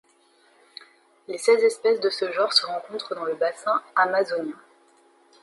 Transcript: Les seize espèces de ce genre se rencontrent dans le bassin amazonien.